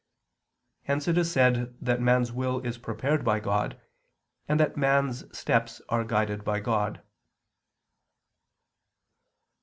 Hence it is said that man's will is prepared by God, and that man's steps are guided by God.